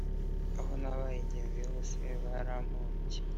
Aho nabaye ingenzi hose barampombye